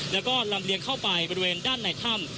แล้วก็ลำเลียงเข้าไปบริเวณด้านในถ้ำ